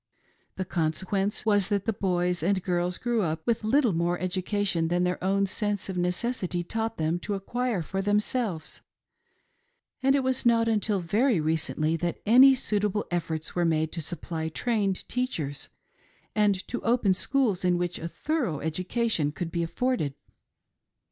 The conse quence was that the boys and girls grew up with little more education than their own sense of necessity taught them to acquire for themselves, and it was not until very, recently that any suitable efforts were made to supply trained teachers and to open schools in which a thorough education could be afforded.